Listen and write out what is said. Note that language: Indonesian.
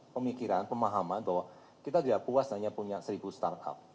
pemikiran pemahaman bahwa kita tidak puas hanya punya seribu startup